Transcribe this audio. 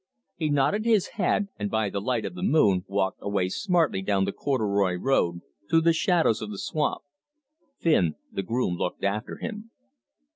He nodded his head, and by the light of the moon walked away smartly down the corduroy road through the shadows of the swamp. Finn the groom looked after him.